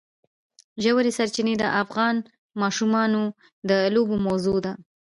ژورې سرچینې د افغان ماشومانو د لوبو موضوع ده.